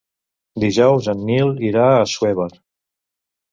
Dijous en Nil irà a Assuévar.